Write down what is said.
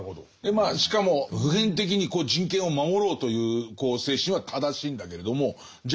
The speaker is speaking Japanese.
まあしかも普遍的に人権を守ろうという精神は正しいんだけれどもじゃ